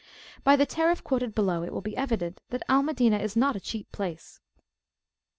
By the tariff quoted below it will be evident that Al Madinah is not a cheap place.